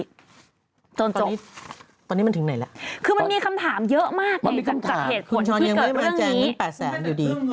จนจบคือมันมีคำถามเยอะมากในการจัดเหตุผลขึ้นเกิดเรื่องนี้คุณช้อนยังไม่ให้มันแจงเงิน๘๐๐๐๐๐อยู่ดี